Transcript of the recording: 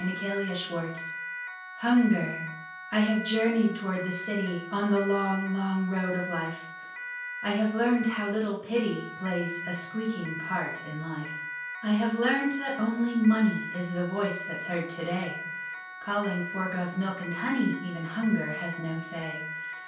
DAY DREAMS HUNGER I have journeyed toward the city On the long, long road of Life, I have learned how little Pity Plays a speaking part in life. I have learned that only Money Is the voice that's heard today, Calling for God's milk and honey, Even Hunger has no say.